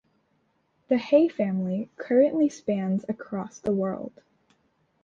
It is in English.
The Hay Family currently spans across the world.